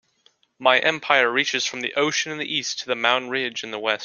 My empire reaches from the ocean in the East to the mountain ridge in the West.